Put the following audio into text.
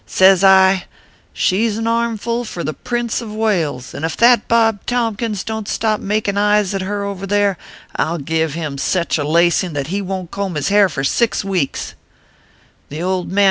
Says I, i She s an armful fur the printze of Wales, and ef that Bob Tompkins don t stop makin eyes at her over there, I ll give him sech a lacing that he won t comb his hair for six weeks/ " The old man.